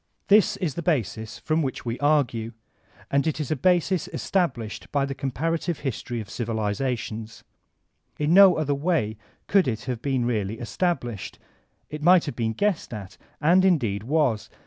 This b the basis from which we argue, and it b a basb establbhed by the comparative hbtory of civilizations. In no other way could it have been really established. It might have bttn guessed at, and indeed was.